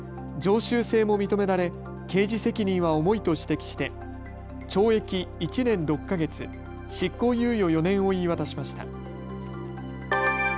常習性も認められ刑事責任は重いと指摘して懲役１年６か月、執行猶予４年を言い渡しました。